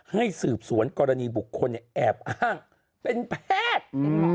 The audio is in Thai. ให้สืบสวนกรณีบุคคลแอบอ้างเป็นแพทย์